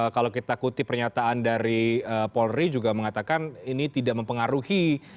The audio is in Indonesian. kalau kita kutip pernyataan dari polri juga mengatakan ini tidak mempengaruhi